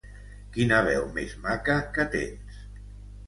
Quina veu més maca que tens!